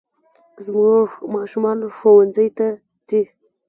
زموږ ماشومان ښوونځي ته ځي